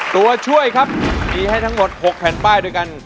ตัวช่วยครับมีให้ทั้งหมด๖แผ่นป้ายด้วยกัน